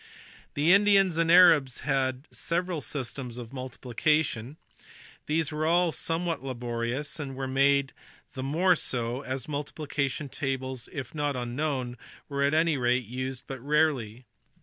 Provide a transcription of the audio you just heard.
The Indians and Arabs had several systems of multipli cation. These were all somewhat laborious, and were made the more so as multiplication tables if not unknown were at any rate used but rarely.